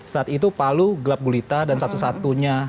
saat itu palu gelap gulita dan satu satunya